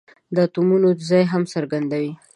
د اتومونو ځای هم څرګندوي.